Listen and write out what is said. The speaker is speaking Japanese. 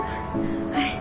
はい。